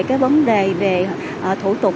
cái vấn đề về thủ tục